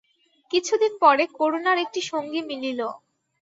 কিছু দিন পরে করুণার একটি সঙ্গী মিলিল।